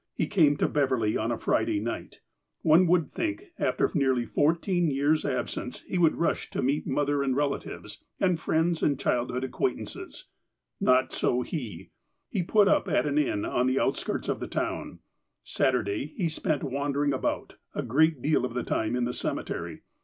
He came to Beverley on a Friday night. One would think that, after nearly fourteen years' absence, he would rush to meet mother and relatives, and friends and child hood acquaintances. JSTot so he. He put up at an inn on the outskirts of the town, Saturday he spent wandering about, a great deal of the time in the cemetery.